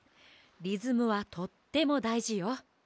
リズムはとってもだいじよ。